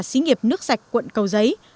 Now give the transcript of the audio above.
xí nghiệp nước sạch quận cầu giấy